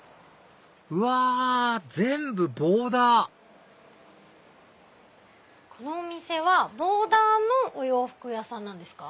うわ全部ボーダーこのお店はボーダーのお洋服屋さんなんですか？